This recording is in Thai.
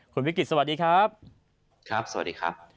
คุณวิกิตสวัสดีครับ